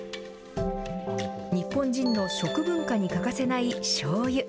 日本人の食文化に欠かせないしょうゆ。